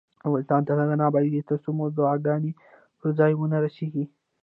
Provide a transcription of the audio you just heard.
افغانستان تر هغو نه ابادیږي، ترڅو مو دعاګانې پر ځای ونه رسیږي.